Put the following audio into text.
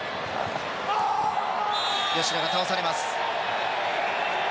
吉田が倒されます。